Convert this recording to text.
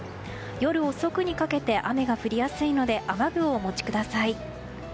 夜遅くにかけて雨が降りやすいので雨具をお持ちください。